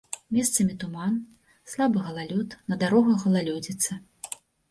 Месцамі туман, слабы галалёд, на дарогах галалёдзіца.